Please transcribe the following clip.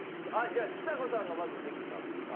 じゃあちさ子さんがまずできたんですか？